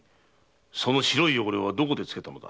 その白い汚れはどこで付けたのだ。